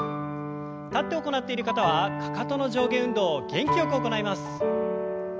立って行っている方はかかとの上下運動を元気よく行います。